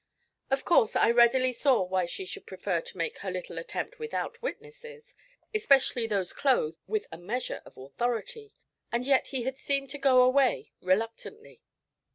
Of course I readily saw why she should prefer to make her little attempt without witnesses, especially those clothed with a measure of authority; and yet he had seemed to go away reluctantly.